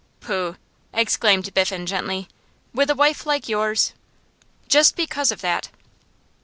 'Pooh!' exclaimed Biffen, gently. 'With a wife like yours?' 'Just because of that.